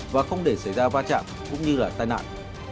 và không để xảy ra va chạm cũng như là tai nạn